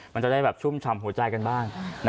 มันจะได้แบบชุ่มฉ่ำหัวใจกันบ้าง